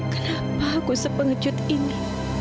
kenapa aku sepengecut ini